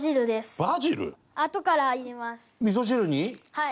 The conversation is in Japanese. はい。